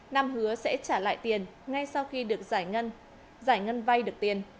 nam hứa sẽ trả lại tiền ngay sau khi được giải ngân giải ngân vay được tiền